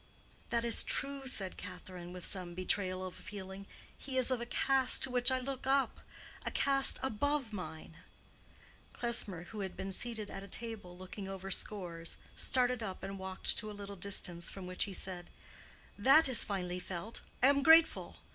"That is true," said Catherine, with some betrayal of feeling. "He is of a caste to which I look up—a caste above mine." Klesmer, who had been seated at a table looking over scores, started up and walked to a little distance, from which he said, "That is finely felt—I am grateful.